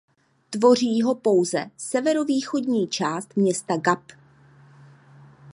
Tvoří ho pouze severovýchodní část města Gap.